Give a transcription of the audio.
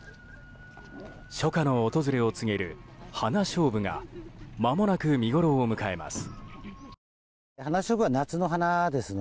初夏の訪れを告げるハナショウブがまもなく見ごろを迎えます。